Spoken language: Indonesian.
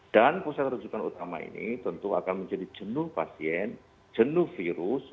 dan pusat peruncukan utama ini tentu akan menjadi jenuh pasien jenuh virus